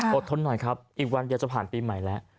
ทนหน่อยครับอีกวันเดียวจะผ่านปีใหม่แล้ว